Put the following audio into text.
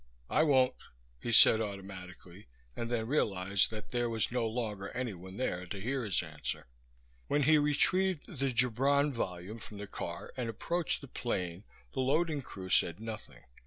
"I won't," he said automatically, and then realized that there was no longer anyone there to hear his answer. When he retrieved the Gibran volume from the car and approached the plane the loading crew said nothing.